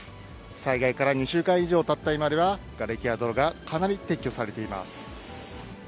災害から２週間以上たった今では、がれきや泥がかなり撤去されています。